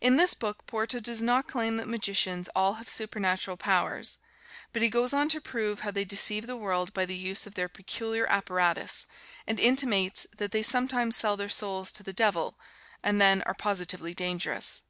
In this book Porta does not claim that magicians all have supernatural powers; but he goes on to prove how they deceive the world by the use of their peculiar apparatus, and intimates that they sometimes sell their souls to the Devil, and then are positively dangerous.